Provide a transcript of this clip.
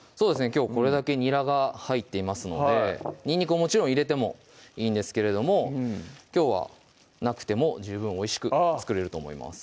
きょうこれだけにらが入っていますのでにんにくをもちろん入れてもいいんですけれどもきょうはなくても十分おいしく作れると思います